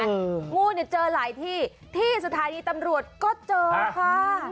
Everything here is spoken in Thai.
งูเจอหลายที่สุดท้ายหนีตำรวจก็เจอค่ะ